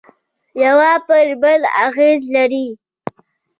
یوه پر بل اغېز لري